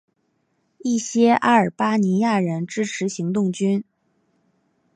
一些阿尔巴尼亚人支持行动军。